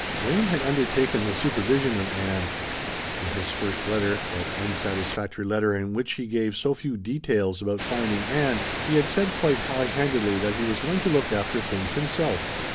Wayne had undertaken the supervision of Ann. In his first letter, that unsatisfactory letter in which he gave so few details about finding Ann, he had said quite high handedly that he was going to look after things himself.